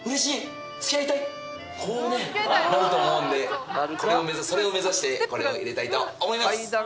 こうねなると思うんでそれを目指してこれを入れたいと思います。